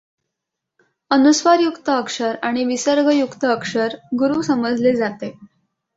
अनुस्वारयुक्त अक्षर आणि विसर्गयुक्त अक्षर गुरू समजले जाते.